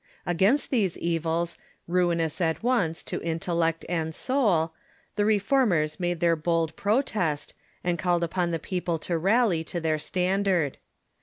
Against these evils, ruinous at once to intellect and soul, the Reformers made their bold protest, and called upon the people to rally to their standard.